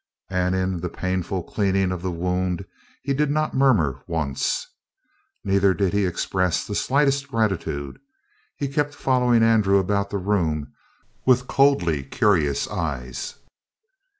And in the painful cleaning of the wound he did not murmur once. Neither did he express the slightest gratitude. He kept following Andrew about the room with coldly curious eyes.